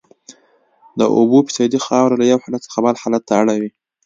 د اوبو فیصدي خاوره له یو حالت څخه بل حالت ته اړوي